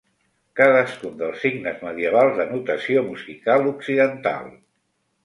Cadascun dels signes medievals de notació musical occidental.